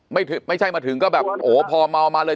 ไม่ถึงไม่ใช่มาถึงก็แบบโอ้พอมามาเลย